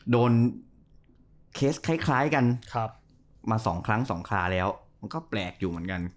เคสคล้ายกันมาสองครั้งสองคาแล้วมันก็แปลกอยู่เหมือนกัน